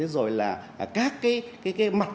rồi là các cái mặt